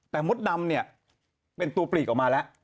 แต่มดดำเนี่ยเป็นตัวปลีกออกมาแล้ว